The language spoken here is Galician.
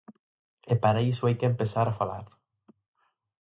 E para iso hai que empezar a falar.